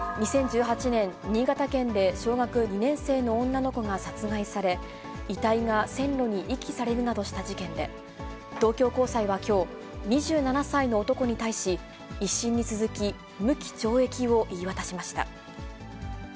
２０１８年、新潟県で小学２年生の女の子が殺害され、遺体が線路に遺棄されるなどした事件で、東京高裁はきょう、２７歳の男に対し、１審に続き、無期懲役を言い渡しました。